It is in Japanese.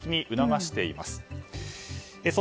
再開しています。